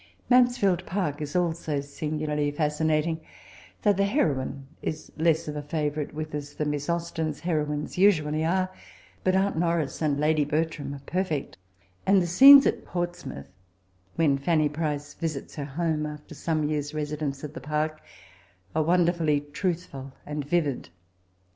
Manffidd Park is also singularlj^ fascinating, though the heroine is less of a ikvonrite with us than Miss Austen's heroines usually are ; bat aunt Norris and Lady Bertram are perfect ; and the scenes at Portsmouth, when Fanny Price visits her home after some years^ residence at the Park, are wonderfully truthful and vivid.